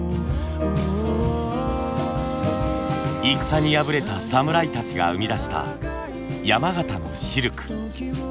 戦に敗れた侍たちが生み出した山形のシルク。